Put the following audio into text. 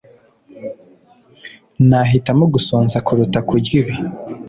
nahitamo gusonza kuruta kurya ibi